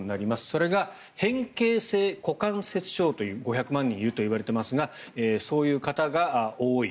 それが変形性股関節症という５００万人いるといわれていますがそういう方が多い。